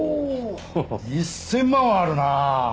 １０００万はあるな。